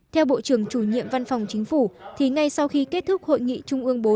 theo bộ trưởng chủ nhiệm văn phòng chính phủ thì ngay sau khi kết thúc hội nghị trung ương bốn